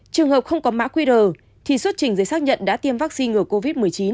trường hợp không có mã qr thì xuất trình giấy xác nhận đã tiêm vaccine ngừa covid một mươi chín